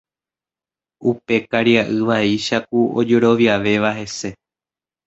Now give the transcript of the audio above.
Upe karia'y vaicháku ojeroviavéva hese